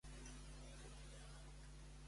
Com es guanyava la vida Peua allà?